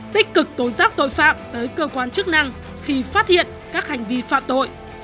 tích cực tố giác tội phạm tới cơ quan chức năng khi phát hiện các hành vi phạm tội